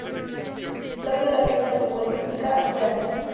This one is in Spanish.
Blog de la Peña Bolística Llanes